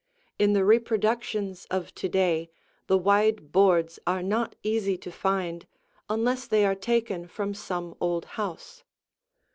In the reproductions of to day the wide boards are not easy to find, unless they are taken from some old house.